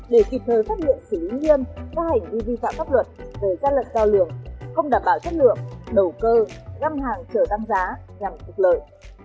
để kịp thời phát lượng xử lý nghiêm ra hành đi vi phạm pháp luật về các lực do lượng không đảm bảo chất lượng đầu cơ găm hàng trở tăng giá nhằm thực lợi